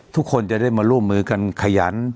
ทุกคนจะได้มาร่วมมือกันขยัน